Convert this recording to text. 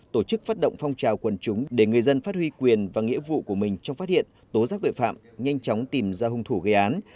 tổ chức phát động phong trào quần chúng để người dân phát huy quyền và nghĩa vụ của mình trong phát hiện tố giác tội phạm nhanh chóng tìm ra hung thủ gây án